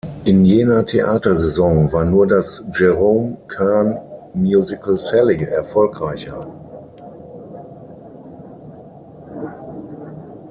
In jener Theatersaison war nur das Jerome Kern-Musical "Sally" erfolgreicher.